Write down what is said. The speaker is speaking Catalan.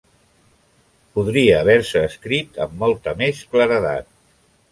Podria haver-se escrit amb molta més claredat.